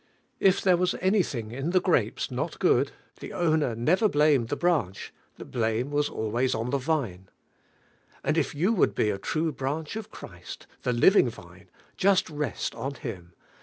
If there was anj thing in the grapes not good, the owner 204 blVlMte IIF.AI.IMl. never blamed the branch; the blame was always on the vine. And if yon would lie a true branch of Christ, the living Vine, just rest on Him.